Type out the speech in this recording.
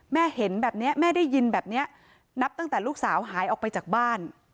แม่เห็นแบบนี้แม่ได้ยินแบบนี้นับตั้งแต่ลูกสาวหายออกไปจากบ้าน